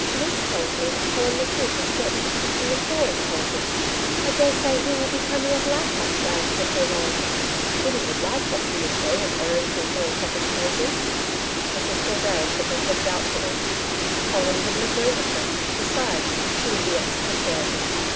Luke tells me that Colin McKeith is certain to come to the fore in politics I daresay he will be Premier of Leichardt's Land before long. Biddy would like bossing the show and airing her philanthropic crazes.' Mrs Gildea shook her head doubtfully. 'Colin wouldn't agree with them. Besides, she would be expatriated.'